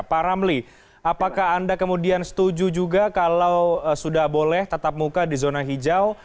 pak ramli apakah anda kemudian setuju juga kalau sudah boleh tatap muka di zona hijau